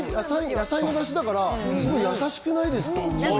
野菜のだしだから、すごいやさしくないですか。